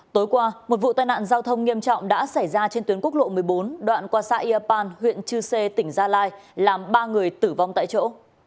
tối qua một vụ tai nạn giao thông nghiêm trọng đã xảy ra trên tuyến quốc lộ một mươi bốn đoạn qua xã yapan huyện chư sê tỉnh gia lai làm ba người tử vong tại chỗ